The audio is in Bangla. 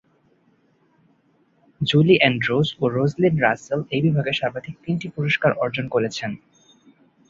জুলি অ্যান্ড্রুজ ও রোজালিন্ড রাসেল এই বিভাগে সর্বাধিক তিনটি পুরস্কার অর্জন করেছেন।